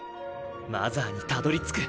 マザーにたどり着く。